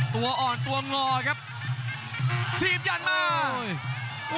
ตัวอ่อนตัวงอครับถีบยันมา